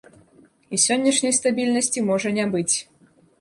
І сённяшняй стабільнасці можа не быць.